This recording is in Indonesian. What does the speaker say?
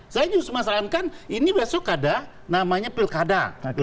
saya juga semangat sayangkan ini besok ada namanya pilkada dua ribu delapan belas